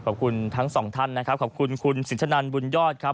ขอบคุณทั้งสองท่านนะครับขอบคุณคุณสินชะนันบุญยอดครับ